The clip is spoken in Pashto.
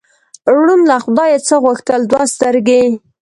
ړوند له خدایه څه غوښتل؟ دوه سترګې.